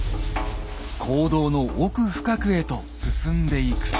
坑道の奥深くへと進んでいくと。